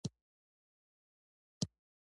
ټوله ژوي په زاري کې.